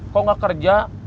kok nggak kerja